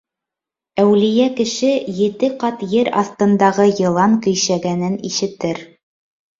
Әүлиә кеше еге ҡат ер аҫтындағы йылан көйшәгәнен ишетер.